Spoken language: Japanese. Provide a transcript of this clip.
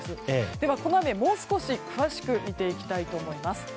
では、この雨もう少し詳しく見ていきたいと思います。